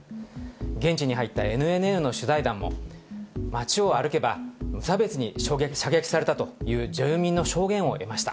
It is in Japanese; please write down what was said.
現地に入ったＮＮＮの取材団も、町を歩けば、無差別に射撃されたという住民の証言を得ました。